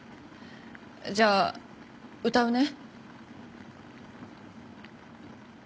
じゃあ歌うね。